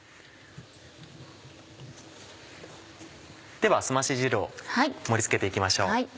ではすまし汁を盛り付けて行きましょう。